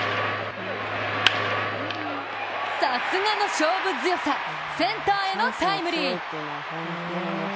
さすがの勝負強さ、センターへのタイムリー。